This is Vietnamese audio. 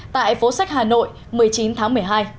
tại phố sách hà nội một mươi chín tháng một mươi hai